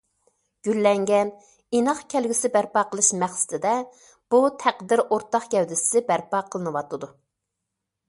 گۈللەنگەن، ئىناق كەلگۈسى بەرپا قىلىش مەقسىتىدە، بۇ تەقدىر ئورتاق گەۋدىسى بەرپا قىلىنىۋاتىدۇ.